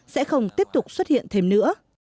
sẽ không tiếp tục xuất hiện thêm nữa